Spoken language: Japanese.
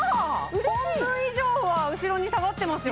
半分以上は後ろに下がってますよ